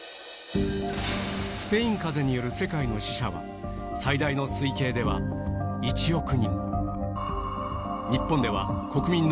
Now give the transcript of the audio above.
スペイン風邪による世界の死者は最大の推計では１億人